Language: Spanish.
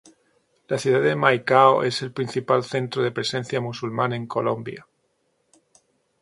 La ciudad de Maicao es el principal centro de presencia musulmán en Colombia.